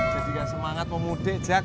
jadikan semangat pemudik jak